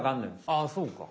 あそうか。